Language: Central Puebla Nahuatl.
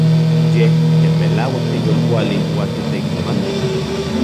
Yej ken melauak tiyolkuali uan titeiknomati.